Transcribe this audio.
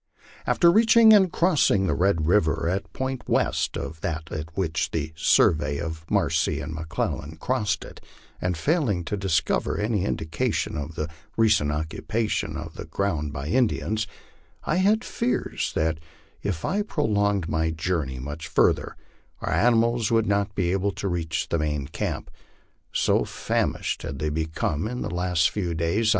After reaching and crossing Red river at a point west of that at which the survey of Marcy and McClellan crossed it, and failing to discover any indica tion of the recent occupation of the ground by Indians, I had fears that if I pro MY LIFE ON THE PLAINS. 227 longed my journey much further our animals would not be able to reach the main camp, so famished had they become in the last few days.